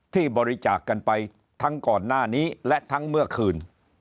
ที่บริจาคกันไปทั้งก่อนหน้านี้และทั้งเมื่อคืน